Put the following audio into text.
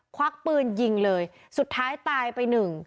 ควักปืนยิงเลยสุดท้ายตายไปหนึ่ง